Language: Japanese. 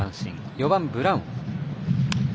４番、ブラウン。